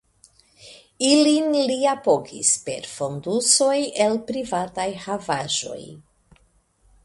Ilin li apogis per fondusoj el privataj havaĵoj.